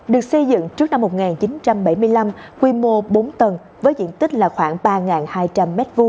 được xây dựng trước năm một nghìn chín trăm bảy mươi năm quy mô bốn tầng với diện tích là khoảng ba hai trăm linh m hai